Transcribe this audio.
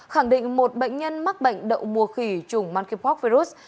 khẳng định một bệnh nhân mắc bệnh đậu mùa khỉ chủng m p virus